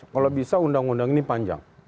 kalau bisa undang undang ini panjang